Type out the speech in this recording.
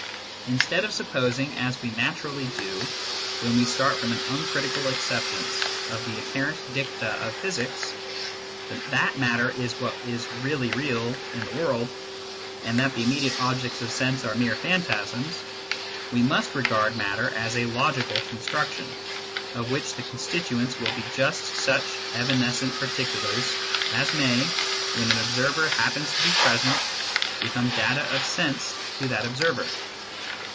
Instead of supposing, as we naturally do when we start from an uncritical acceptance of the apparent dicta of physics, that matter is what is " really real " in the physical world, and that the immediate objects of sense are mere phantasms, we must regard matter as a logical construction, of which the con stituents will be just such evanescent particulars as may, when an observer happens to be present, become data of sense to that observer.